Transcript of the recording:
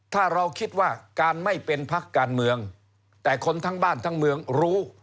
ถ้าเราคิดว่าการไม่เป็นพักการเมืองแต่คนทั้งบ้านทั้งเมืองรู้